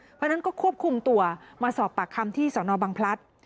เพราะฉะนั้นก็ควบคุมตัวมาสอบปากคำที่สนบังพลัด